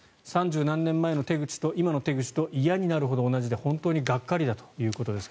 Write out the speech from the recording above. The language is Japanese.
３０何年前の手口と今の手口と嫌になるぐらい同じで本当にがっかりだということです。